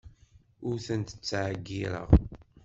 Ur ten-ttɛeyyiṛeɣ.